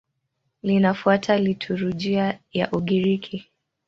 Linafuata liturujia ya Ugiriki.